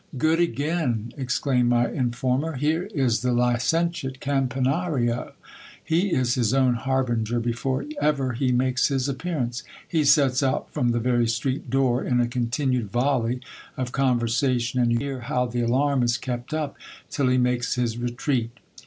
Good again ! exclaimed my informer : here is the licentiate Campanario. He is his own harbinger before ever he makes his appear rjice. He sets out from the very street door in a continued volley of conversa tion, and you hear how the alarm is kept up till he makes his retreat.